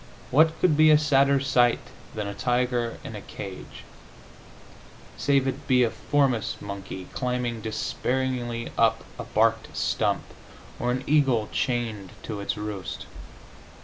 What could be a sadder sight than a tiger in a cage, save it be a forest monkey climbing dispairingly up a barked stump, or an eagle chained to its roost?